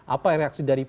apa reaksi dari pan